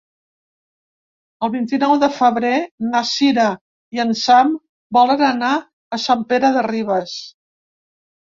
El vint-i-nou de febrer na Cira i en Sam volen anar a Sant Pere de Ribes.